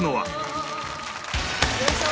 よいしょ！